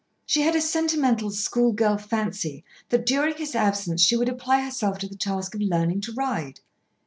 She had a sentimental school girl fancy that during his absence she would apply herself to the task of learning to ride.